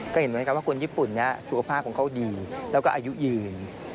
ก็เห็นไหมครับว่าคนญี่ปุ่นนี้สุขภาพของเขาดีแล้วก็อายุยืน